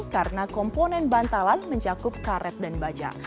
karena komponen bantalan mencakup karet dan baja